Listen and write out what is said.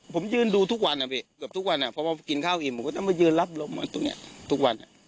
ผมยื่นดูทุกวันแบบทุกวันพอมองกินข้าวอิ่มผมก็จะมายืนรับลมตรงนี้ทุกวัน